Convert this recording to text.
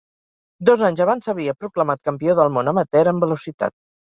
Dos anys abans s'havia proclamat campió del món amateur en velocitat.